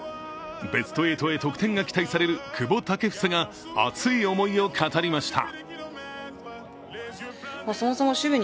ベスト８へ得点が期待される久保建英が熱い思いを語りました。